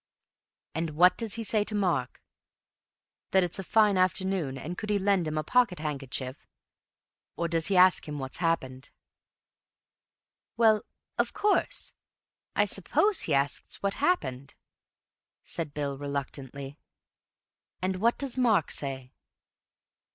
"And what does he say to Mark? That it's a fine afternoon; and could he lend him a pocket handkerchief? Or does he ask him what's happened?" "Well, of course, I suppose he asks what happened," said Bill reluctantly. "And what does Mark say?"